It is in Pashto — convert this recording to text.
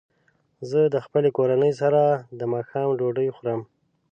زه د خپلې کورنۍ سره د ماښام ډوډۍ خورم.